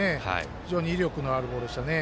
非常に威力のあるボールでしたね。